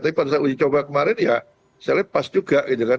tapi pada saat uji coba kemarin ya saya pas juga gitu kan